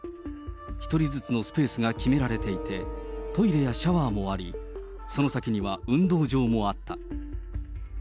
１人ずつのスペースが決められていて、トイレやシャワーもあり、その先には運動場もあった。